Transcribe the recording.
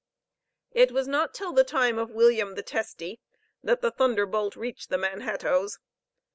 It was not till the time of William the Testy that the thunderbolt reached the Manhattoes.